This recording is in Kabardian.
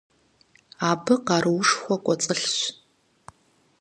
Абы къаруушхуэ кӀуэцӀылъщ.